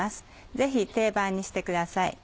ぜひ定番にしてください。